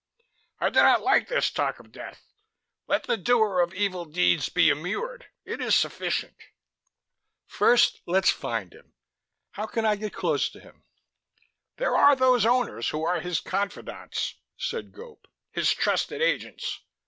"I do not like this talk of death. Let the doer of evil deeds be immured; it is sufficient." "First let's find him. How can I get close to him?" "There are those Owners who are his confidants," said Gope, "his trusted agents.